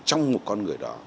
trong một con người đó